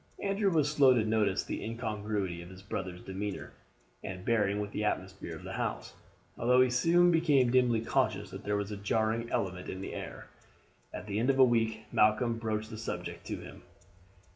Andrew was slow to notice the incongruity of his brother's demeanour and bearing with the atmosphere of the house, although he soon became dimly conscious that there was a jarring element in the air. At the end of a week Malcolm broached the subject to him.